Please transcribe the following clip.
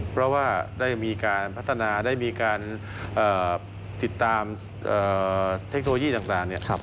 เพราะว่าได้มีการพัฒนาได้มีการติดตามเทคโนโลยีต่างเนี่ย